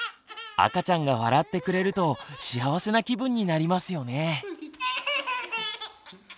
赤ちゃんが笑ってくれると幸せな気分になりますよね。